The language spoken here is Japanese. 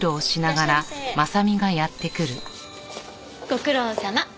ご苦労さま！